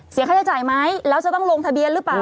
ค่าใช้จ่ายไหมแล้วจะต้องลงทะเบียนหรือเปล่า